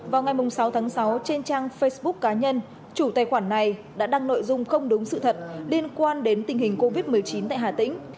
vào ngày sáu tháng sáu trên trang facebook cá nhân chủ tài khoản này đã đăng nội dung không đúng sự thật liên quan đến tình hình covid một mươi chín tại hà tĩnh